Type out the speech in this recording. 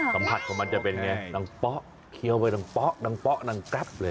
สัมผัสผมจะเป็นอย่างไรนางป๊อกเขี่ยวเลยนางป๊อกนางป๊อกนางกรับเลย